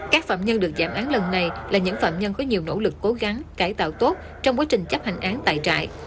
các phạm nhân được giảm án lần này là những phạm nhân có nhiều nỗ lực cố gắng cải tạo tốt trong quá trình chấp hành án tại trại